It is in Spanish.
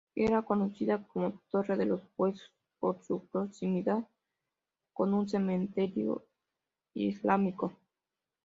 Era conocida como Torre de los Huesos, por su proximidad con un cementerio islámico.